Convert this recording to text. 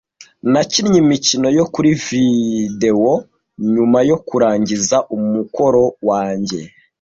Nakinnye imikino yo kuri videwo nyuma yo kurangiza umukoro wanjye.